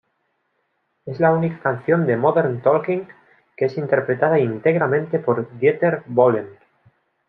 Es la única canción de Modern Talking que es interpretada íntegramente por Dieter Bohlen.